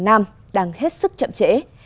quảng nam đang hết sức chậm trễ